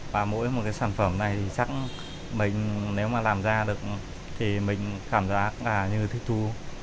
và mỗi một cái sản phẩm này thì chắc mình nếu mà làm ra được thì mình cảm giác là như thích thú